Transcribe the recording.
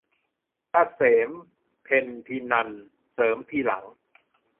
เกษม เพ็ญภินันท์ เสริมทีหลัง